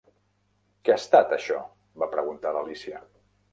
"Què ha estat, això?", va preguntar l'Alícia.